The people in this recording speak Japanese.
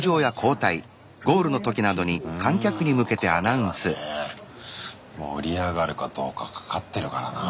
うんこれはね盛り上がるかどうかかかってるからなあ。